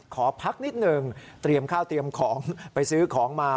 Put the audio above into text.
ขอพักนิดหนึ่งเตรียมข้าวเตรียมของไปซื้อของมา